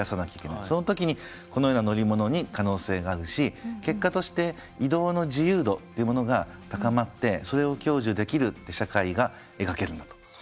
その時にこのような乗り物に可能性があるし結果として移動の自由度というものが高まってそれを享受できるって社会が描けるんだとそう思います。